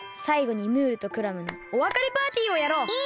さいごにムールとクラムのおわかれパーティーをやろう！